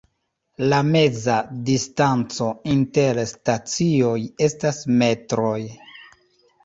La meza distanco inter stacioj estas metroj.